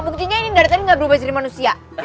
buktinya ini dari tadi nggak berubah jadi manusia